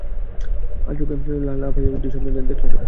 আচুক্কা লাফাইয়া উডি স্বপ্নে দ্যাকলে তোরে ।